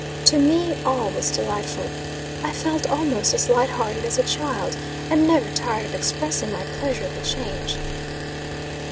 To me, all was delightful. I felt almost as light hearted as a child, and never tired of expressing my pleasure at the change.